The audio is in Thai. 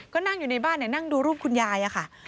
ก็นั่งอยู่ในบ้านนั่งดูรูปคุณยายค่ะ